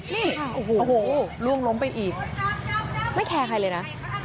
นี่โอ้โหล่วงล้มไปอีกไม่แคร์ใครเลยนะ